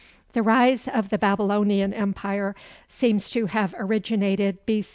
The rise of the Babylonian Empire seems to have originated B.